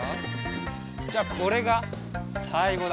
じゃあこれがさいごだ。